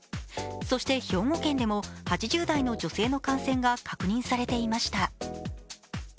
そして、兵庫県でも８０代の女性の感染が確認されていました。